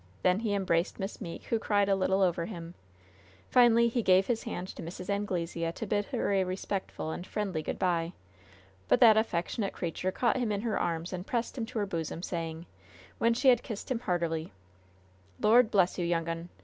Then he embraced Miss Meeke, who cried over him a little. Finally he gave his hand to Mrs. Anglesea to bid her a respectful and friendly good by; but that affectionate creature caught him in her arms and pressed him to her bosom, saying, when she had kissed him heartily: "Lord bless you, young un!